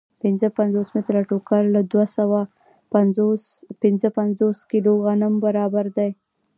پنځه پنځوس متره ټوکر له دوه سوه پنځه پنځوس کیلو غنمو برابر دی